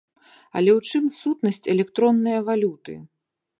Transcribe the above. Але ў чым сутнасць электроннае валюты?